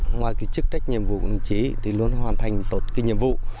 ngoài cái chức trách nhiệm vụ của đồng chí thì luôn hoàn thành tốt cái nhiệm vụ